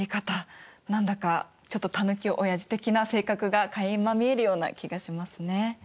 何だかちょっとたぬきおやじ的な性格がかいま見えるような気がしますね。